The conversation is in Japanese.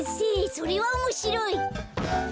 それはおもしろい。